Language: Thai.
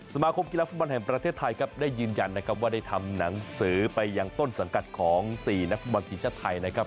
สมาคมกีฬาฟุตบอลแห่งประเทศไทยครับได้ยืนยันนะครับว่าได้ทำหนังสือไปยังต้นสังกัดของ๔นักฟุตบอลทีมชาติไทยนะครับ